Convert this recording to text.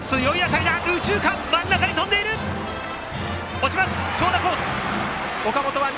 落ちます、長打コース。